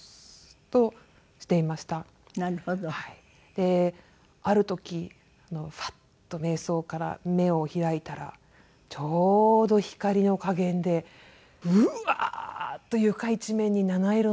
である時ハッと瞑想から目を開いたらちょうど光の加減でブワーッと床一面に七色の光が映し出されていたんです。